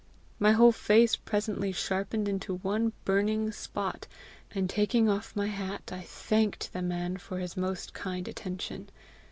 My whole face presently sharpened into one burning spot, and taking off my hat, I thanked the man for his most kind attention.